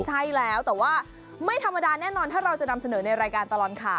ใช่แล้วแต่ว่าไม่ธรรมดาแน่นอนถ้าเราจะนำเสนอในรายการตลอดข่าว